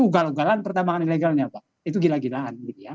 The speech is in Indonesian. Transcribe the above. ugal ugalan pertambangan ilegalnya pak itu gila gilaan